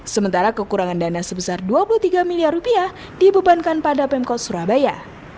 sementara kekurangan dana sebesar dua puluh tiga miliar rupiah dibebankan pada pemkot surabaya